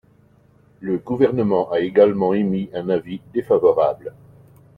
Le Gouvernement a également émis un avis défavorable.